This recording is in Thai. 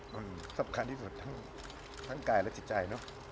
มันสำคัญที่สุดทั้งกายและจิตใจเนอะ